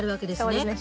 そうですね。